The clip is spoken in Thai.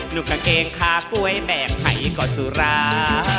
หนุ่มกางเกงคากล้วยแบ่งไหก่ก่อนสุรา